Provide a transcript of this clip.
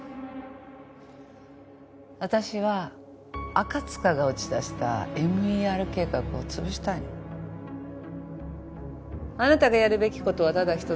私は赤塚が打ち出したＭＥＲ計画をつぶしたいのあなたがやるべきことはただ一つ